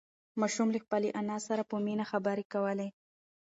ماشوم له خپلې انا سره په مینه خبرې کولې